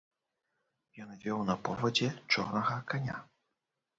Ён вёў на повадзе чорнага каня.